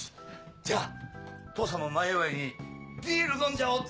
じゃあ父さんも前祝いにビール飲んじゃおうっと！